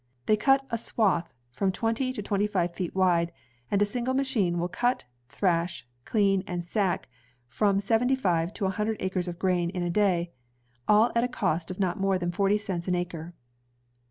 They cut a swath from twenty to twenty five feet wide, and a single machine will cut, thiash, clean, and sack from seventy five to a himdred acres of grain in a day, all at a cost of not more than forty cents an acre.